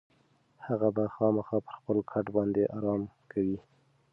هغه به خامخا پر خپل کټ باندې ارام کوي.